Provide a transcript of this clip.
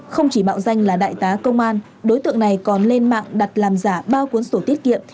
không chỉ mạo danh là đại tá công an đối tượng này còn lên mạng đặt làm giả ba cuốn sổ tiết kiệm